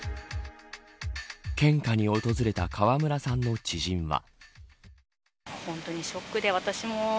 献花に訪れた川村さんの知人は。